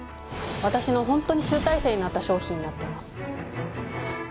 私のホントに集大成になった商品になってます